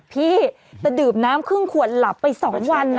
พี่แต่ดื่มน้ำครึ่งขวดหลับไป๒วัน